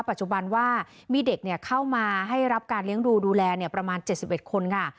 ปัจจุบันว่ามีเด็กเข้ามาให้รับการเลี้ยงดูดูแลประมาณ๗๑คนค่ะ